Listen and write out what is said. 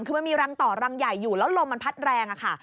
คือมันมีรังต่อรังใหญ่อยู่แล้วลมมันพัดแรงอะค่ะ